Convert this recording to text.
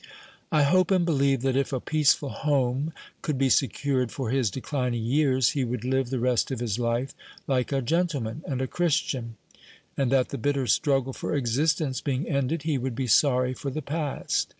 "I hope and believe that if a peaceful home could be secured for his declining years, he would live the rest of his life like a gentleman and a Christian; and that, the bitter struggle for existence being ended, he would be sorry for the past.